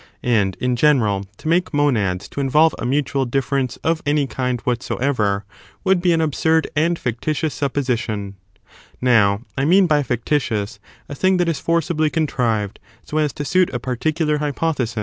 ^ 12. To make A nd, in general, to make monads to involve a monads to in mutual difference of any kind whatsoever would differenwis be an absurd and fictitious supposition — now, I absurd. mean by fictitious a thing that is forcibly con trived so as to suit a particular hypothesis.